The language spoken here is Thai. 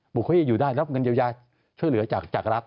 ปมุขอย่างขวาวะยูได้รับเงินยาวช่วยเหลือจากรัฐ